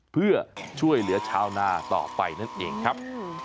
เพื่อช่วยเหลือชาวนาต่อไปนั่นเองครับ